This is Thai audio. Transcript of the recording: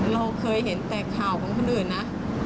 เราเคยเห็นแต่ข่าวของคนอื่นนะ